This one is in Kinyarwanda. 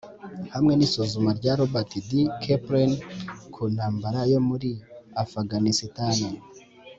hamwe n’isuzuma rya robert d. kaplan ku ntambara yo muri afuganisitani.